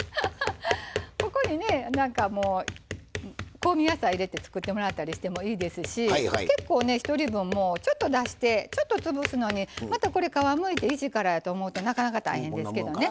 ここにねなんかもう香味野菜入れて作ってもらったりしてもいいですし結構１人分もうちょっと出してちょっと潰すのにまたこれ皮むいて一からやと思うとなかなか大変ですけどね。